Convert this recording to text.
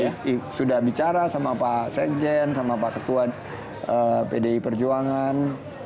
jadi pdip sudah bicara sama pak sekjen sama pak ketua pdi perjuangan